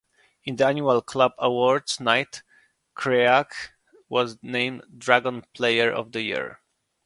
In the annual club awards night, Creagh was named Dragons Player of the Year.